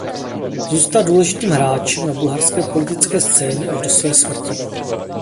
Zůstal důležitým hráčem na bulharské politické scéně až do své smrti.